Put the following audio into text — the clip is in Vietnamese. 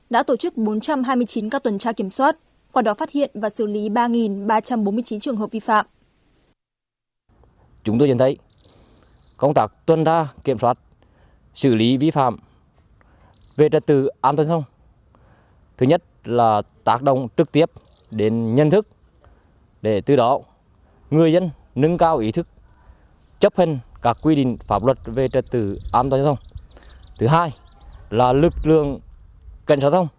đội cảnh sát giao thông công an huyện gio linh đã tổ chức bốn trăm hai mươi chín các tuần tra kiểm soát